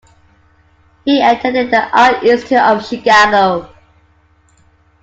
He attended the Art Institute of Chicago.